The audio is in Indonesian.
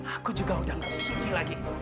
aku juga udah gak suci lagi